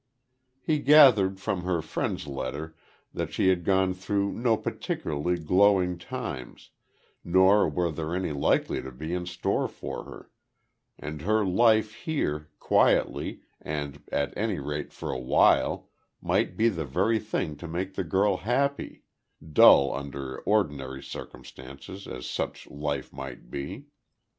He gathered from her friend's letter that she had gone through no particularly glowing times, nor were there any likely to be in store for her; and life here, quietly, and at any rate for a while, might be the very thing to make the girl happy, dull under ordinary circumstances as such life might be.